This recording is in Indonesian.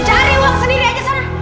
cari uang sendiri aja sama